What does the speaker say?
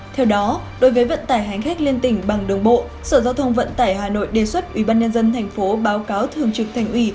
theo đó đối với vận tải hành khách liên tỉnh bằng đường bộ sở giao thông vận tải hà nội đề xuất ủy ban nhân dân thành phố báo cáo thường trực thành ủy